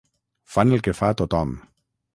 Fan el que fa tothom.